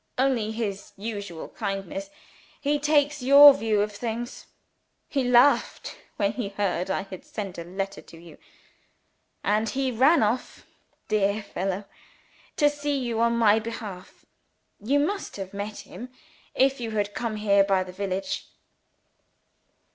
"Only his usual kindness. He takes your views of things. He laughed when he heard I had sent a letter to you, and he ran off (dear fellow!) to see you on my behalf. You must have met him, if you had come here by the village."